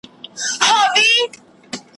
اصفهان چي یې لړزیږي له نامه د شاه محموده `